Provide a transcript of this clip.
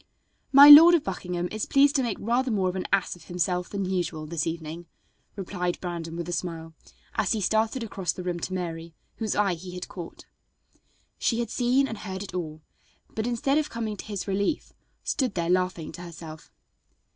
"My Lord of Buckingham is pleased to make rather more of an ass of himself than usual this evening," replied Brandon with a smile, as he started across the room to Mary, whose eye he had caught. She had seen and heard it all, but instead of coming to his relief stood there laughing to herself.